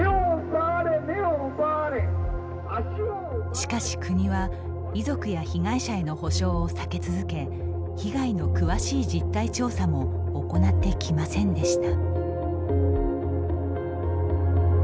しかし国は、遺族や被害者への補償を避け続け被害の詳しい実態調査も行ってきませんでした。